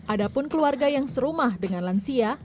adapun keluarga yang serumah dengan lansia